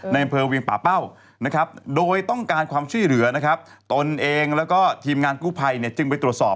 ในอำเภอเวียงป่าเป้าโดยต้องการความช่วยเหลือตนเองและทีมงานกู้ภัยจึงไปตรวจสอบ